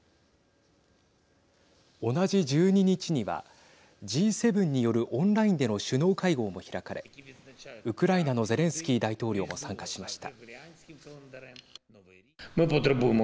同じ１２日にはＧ７によるオンラインでの首脳会合も開かれウクライナのゼレンスキー大統領も参加しました。